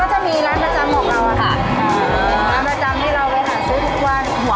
ว่าจะมีร้านประจำบอกเรากับประจำที่เราไปหาซื้อทุกวัน